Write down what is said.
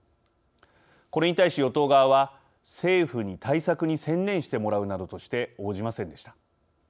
これに対し与党側は政府に対策に専念してもらうなどとして応じませんでした。